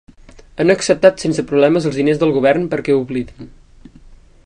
Han acceptat sense problemes els diners del Govern perquè oblidin.